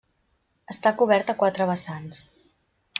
Està cobert a quatre vessants.